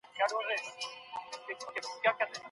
ولې افغان سوداګر کرنیز ماشین الات له چین څخه واردوي؟